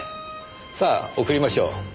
さあ送りましょう。